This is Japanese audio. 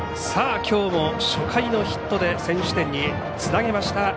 きょうも初回のヒットで先取点につなげました